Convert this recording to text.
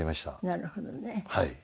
なるほどね。